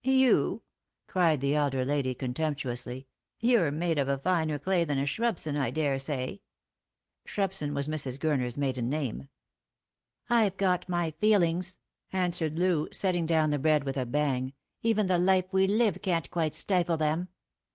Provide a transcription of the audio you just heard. " You!" cried the elder lady, contemptuously ; "you're made of a finer clay than a Shrubson, I daresay." Shrubson was Mrs. Gurner's maiden name. " I've got my feelings," answered Loo, setting down the bread with a bang ;" even the life we live can't quite stifle them.